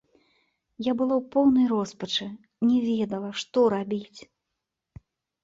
Я была ў поўнай роспачы, не ведала, што рабіць.